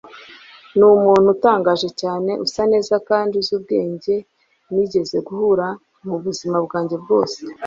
numuntu utangaje cyane, usa neza kandi uzi ubwenge nigeze guhura mubuzima bwanjye bwose